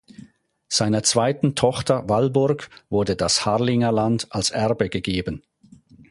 Seiner zweiten Tochter Walburg wurde das Harlingerland als Erbe gegeben.